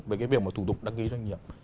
về cái việc mà thủ tục đăng ký doanh nghiệp